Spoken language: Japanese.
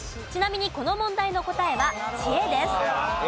ちなみにこの問題の答えは知恵です。